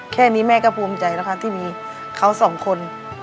แค่นี้แม่ก็ภูมิใจแล้วค่ะที่มีเขาสองคน